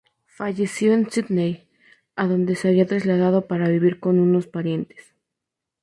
Falleció en Sídney, a donde se había trasladado para vivir con unos parientes.